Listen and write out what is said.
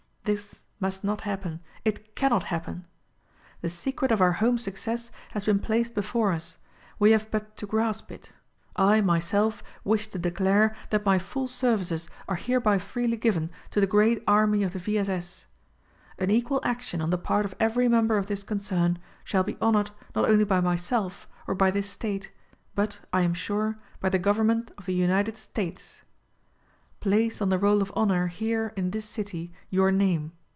This must not happen ; it cannot happen ! The secret of our home success has been placed before us ; we have but to grasp it. I, myself, wish to declare that my full services are hereby freely given to the great army of the V. S. S. An equal action on the part of every member of this concern shall be honored not only bv mvself, or by this state, but, I am sure, by the Government of the UNITED STATES. Place on the roll of honor, here, in this city, your name.